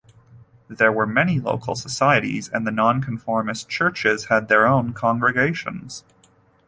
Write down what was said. There were many local societies and the Nonconformist churches had their own congregations.